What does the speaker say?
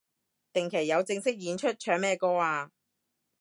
定期有正式演出？唱咩歌啊